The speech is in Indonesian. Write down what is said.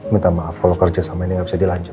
minta maaf kalau kerja sama ini nggak bisa dilanjut